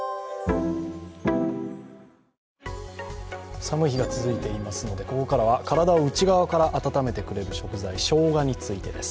寒い日が続いていますので、ここからは体を内側から温めてくれる食材、しょうがについてです。